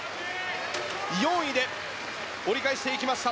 ４位で折り返しました。